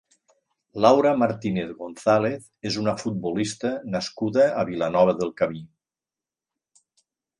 Laura Martínez González és una futbolista nascuda a Vilanova del Camí.